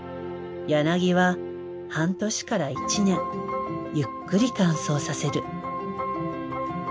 ヤナギは半年から１年ゆっくり乾燥させる。